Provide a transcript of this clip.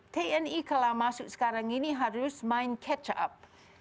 tni kalau masuk sekarang ini harus main catch up